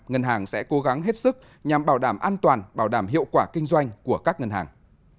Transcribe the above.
ngân hàng sẽ cố gắng hết sức nhằm bảo đảm an toàn bảo đảm hiệu quả kinh doanh của các ngân hàng